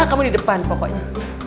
kamu di depan pokoknya